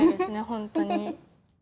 本当に。